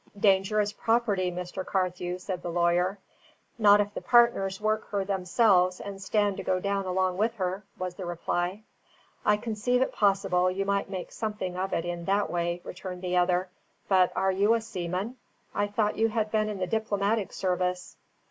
"Dangerous property, Mr. Carthew," said the lawyer. "Not if the partners work her themselves and stand to go down along with her," was the reply. "I conceive it possible you might make something of it in that way," returned the other. "But are you a seaman? I thought you had been in the diplomatic service."